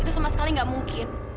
itu sama sekali nggak mungkin